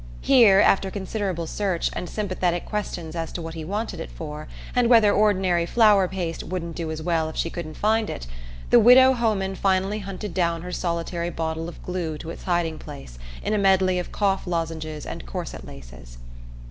Here, after considerable search, and sympathetic questions as to what he wanted it for, and whether ordinary flour paste wouldn't do as well if she couldn't find it, the widow Homan finally hunted down her solitary bottle of glue to its hiding place in a medley of cough lozenges and corset laces.